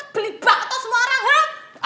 beli bakto semua orang kan